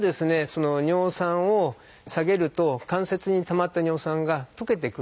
その尿酸を下げると関節にたまった尿酸が溶けてくるんで。